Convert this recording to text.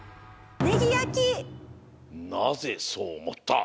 なぜそうおもった？